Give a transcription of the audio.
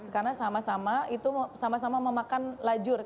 karena sama sama itu sama sama memakan lajur